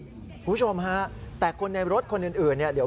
คุณผู้ชมฮะแต่คนในรถคนอื่นเนี่ยเดี๋ยว